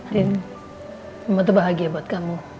din aku tuh bahagia buat kamu